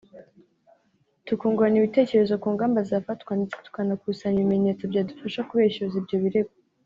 tukungurana ibitekerezo ku ngamba zafatwa ndetse tukanakusanya ibimenyetso byadufasha kubeshyuza ibyo birego